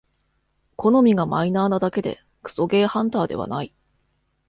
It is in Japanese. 好みがマイナーなだけでクソゲーハンターではない